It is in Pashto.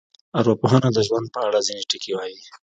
ارواپوهنه د ژوند په اړه ځینې ټکي وایي.